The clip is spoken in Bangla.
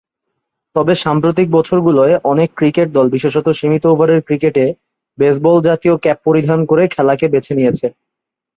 তবে, সাম্প্রতিক বছরগুলোয় অনেক ক্রিকেট দল বিশেষতঃ সীমিত ওভারের ক্রিকেটে বেসবলজাতীয় ক্যাপ পরিধান করে খেলাকে বেছে নিয়েছে।